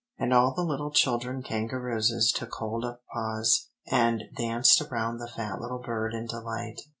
And all the little children Kangarooses took hold of paws, and danced around the fat little bird in delight."